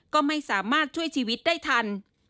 ก็ไม่สามารถช่วยชีวิตได้ทัน